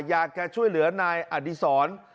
อยากจะช่วยเหลือนายอดีศร